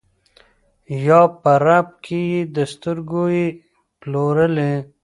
یا په رپ کي یې د سترګو یې پلورلی